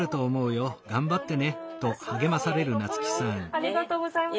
ありがとうございます。